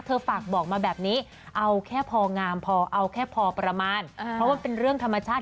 ฝากบอกมาแบบนี้เอาแค่พองามพอเอาแค่พอประมาณเพราะว่าเป็นเรื่องธรรมชาติ